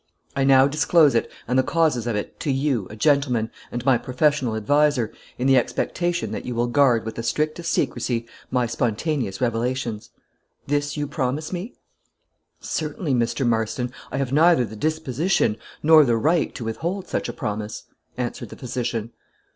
I now disclose it, and the causes of it, to you, a gentleman, and my professional adviser, in the expectation that you will guard with the strictest secrecy my spontaneous revelations; this you promise me?" "Certainly, Mr. Marston; I have neither the disposition nor the right to withhold such a promise," answered the physician.